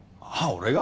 俺が？